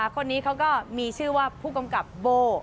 คนนี้เขาก็มีชื่อว่าผู้กำกับโบ้